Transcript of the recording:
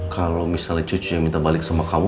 kalau misalnya cucu yang minta balik sama kamu